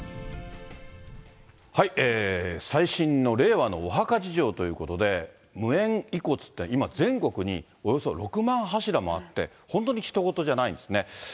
最新の令和のお墓事情ということで、無縁遺骨って、今、全国におよそ６万柱もあって、本当にひと事じゃないんですね。